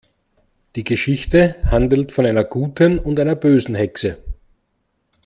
Die Geschichte handelt von einer guten und einer bösen Hexe.